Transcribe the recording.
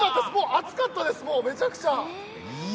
熱かったです、もうめちゃくちゃ。